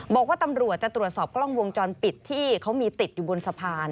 จะตรวจสอบกล้องวงจรปิดที่เขามีติดอยู่บนสะพาน